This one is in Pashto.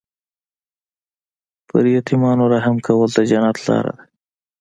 په یتیمانو رحم کول د جنت لاره ده.